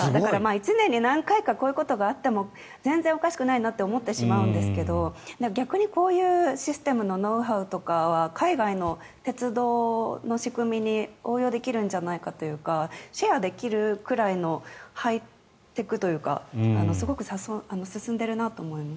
１年に何回かこういうことがあっても全然おかしくないなって思ってしまうんですけど逆にこういうシステムのノウハウとかは海外の鉄道の仕組みに応用できるんじゃないかというかシェアできるくらいのハイテクというかすごく進んでいるなと思います。